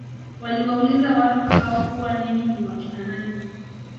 Waliwauliza watu hao kuwa ninyi ni wakina nani